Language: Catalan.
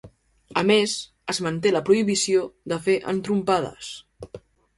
A més, es manté la prohibició de fer entrompades.